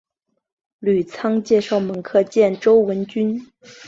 吕仓介绍门客见周文君。